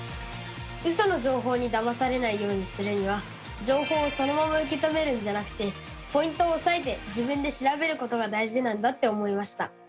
ウソの情報にだまされないようにするには情報をそのまま受け止めるんじゃなくてポイントをおさえて自分で調べることが大事なんだって思いました！